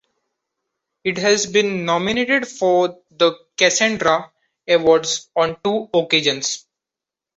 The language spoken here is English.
It has been nominated for the Casandra awards on two occasions.